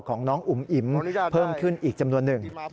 ของน้องอุ๋มอิ๋มเพิ่มขึ้นอีกจำนวนหนึ่ง